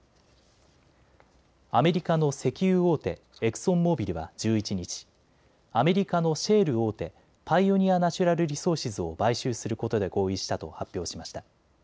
アメリカの石油大手、エクソンモービルは１１日、アメリカのシェール大手、パイオニア・ナチュラル・リソーシズを買収することで合意したと発表しました。